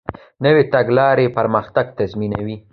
نوی تګلوری پرمختګ تضمینوي